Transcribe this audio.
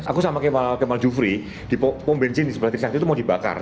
aku sama kemal jufri di pompensin di sebelah tirisangti itu mau dibakar